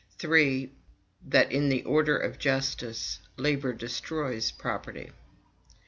3. That, in the order of justice, labor DESTROYS property.